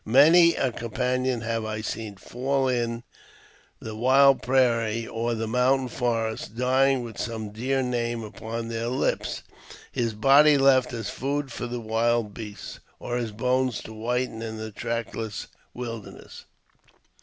Many a companion have I seen fall in the wild prairie or the mountain forest, dying with some dear name upon his lips, his body left as food for the wild beasts, or his bones to whiten in the trackless wilderness.